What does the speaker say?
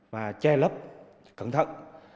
và che lấp cẩn thận